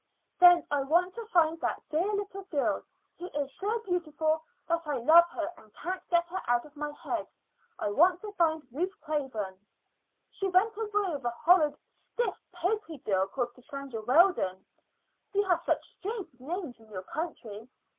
"Then I want to find that dear little girl, who is so beautiful that I love her and can't get her out of my head. I want to find Ruth Craven. She went away with a horrid, stiff, pokery girl called Cassandra Weldon. You have such strange names in your country.